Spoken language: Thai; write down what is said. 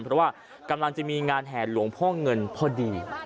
เพราะว่ากำลังจะมีงานแห่หลวงพ่อเงินพอดี